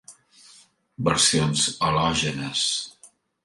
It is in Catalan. Versions halògenes.